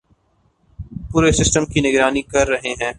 پورے سسٹم کی نگرانی کررہے ہیں